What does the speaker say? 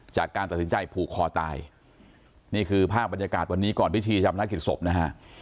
จากการตัดสินใจผูกคอตายนี่คือภาพบรรยากาศวันนี้ก่อนพิธีจำนักกิจศพนะฮะ